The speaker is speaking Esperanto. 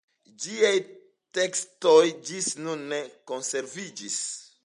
Ĝiaj tekstoj ĝis nun ne konserviĝis.